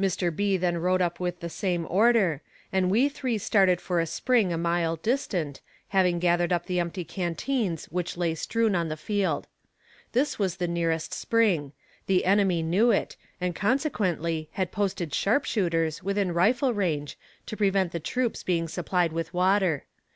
Mr. B. then rode up with the same order, and we three started for a spring a mile distant, having gathered up the empty canteens which lay strewn on the field. This was the nearest spring; the enemy knew it, and consequently had posted sharpshooters within rifle range to prevent the troops being supplied with water.